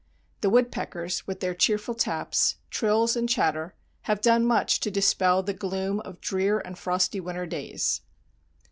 The woodpeckers, with their cheerful taps, trills and chatter, have done much to dispel the gloom of drear and frosty winter days.